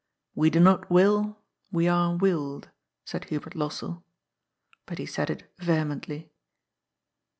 " We do not will ; we are willed," said Hubert Lossell. But he said it vehemently.